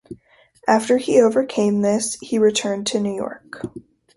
After he overcame this, he returned to New York.